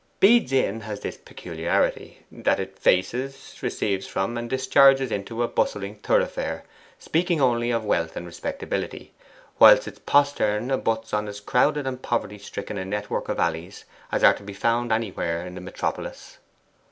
Bede's Inn has this peculiarity, that it faces, receives from, and discharges into a bustling thoroughfare speaking only of wealth and respectability, whilst its postern abuts on as crowded and poverty stricken a network of alleys as are to be found anywhere in the metropolis.